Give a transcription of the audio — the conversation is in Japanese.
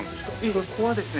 ここはですね